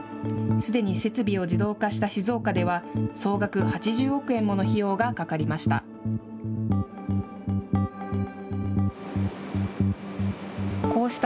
すでに設備を自動化した静岡では、総額８０億円もの費用がかかりました。